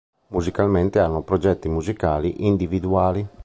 Musicalmente hanno progetti musicali individuali.